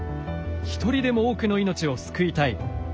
一人でも多くの命を救いたい。